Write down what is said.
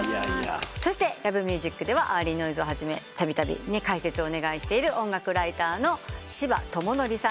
そして『Ｌｏｖｅｍｕｓｉｃ』ではＥａｒｌｙＮｏｉｓｅをはじめたびたび解説をお願いしている音楽ライターの柴那典さんです。